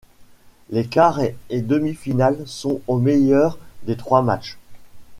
Les quarts et demi-finales sont au meilleur des trois matchs.